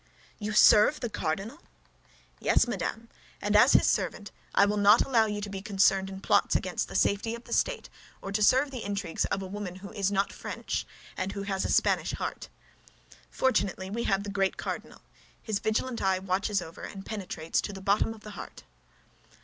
"You serve the cardinal?" "Yes, madame; and as his servant, I will not allow you to be concerned in plots against the safety of the state, or to serve the intrigues of a woman who is not French and who has a Spanish heart. Fortunately we have the great cardinal; his vigilant eye watches over and penetrates to the bottom of the heart."